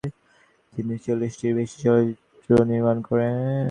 তিনি চল্লিশটিরও বেশি চলচ্চিত্র নির্মাণ করেছিলেন।